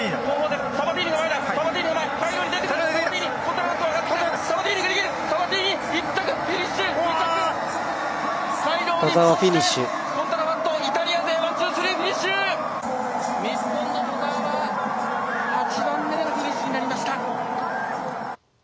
日本の兎澤は８番目でのフィニッシュになりました。